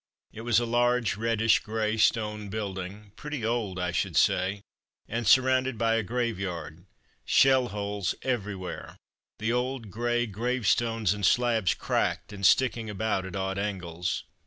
It was a large reddish grey stone building, pretty old, I should say, and surrounded by a graveyard. Shell holes everywhere; the old, grey grave stones and slabs cracked and sticking about at odd angles.